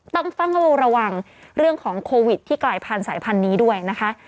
ต้องเฝ้าระวังเรื่องของโควิดที่กลายพันธุ์สายพันธุ์นี้ด้วยนะคะ